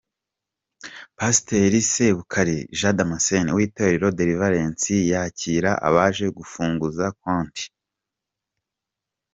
Pasiteri Sebukari Ja damasenti w’Itorero Delivuranse yakira abaje gufunguza konti.